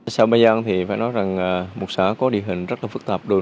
sau ba giang thì phải nói rằng một xã có địa hình rất là phức tạp